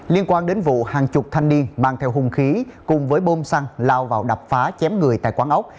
liên quan đến vụ hàng chục thanh niên băng theo hùng khí cùng với bôm xăng lao vào đập phá chém người tại quảng ốc